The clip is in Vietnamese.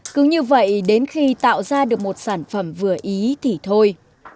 cứ như vậy đến khi tạo ra được một sản phẩm vừa ý thì thôi